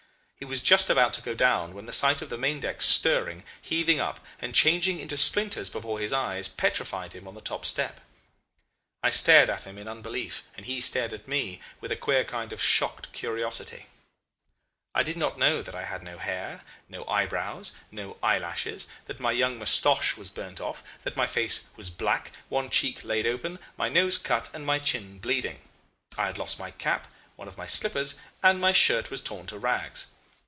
He was just about to go down when the sight of the main deck stirring, heaving up, and changing into splinters before his eyes, petrified him on the top step. I stared at him in unbelief, and he stared at me with a queer kind of shocked curiosity. I did not know that I had no hair, no eyebrows, no eyelashes, that my young moustache was burnt off, that my face was black, one cheek laid open, my nose cut, and my chin bleeding. I had lost my cap, one of my slippers, and my shirt was torn to rags.